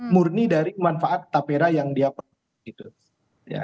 murni dari manfaat taperra yang dia punya